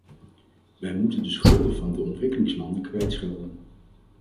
Wij moeten de schulden van de ontwikkelingslanden kwijtschelden.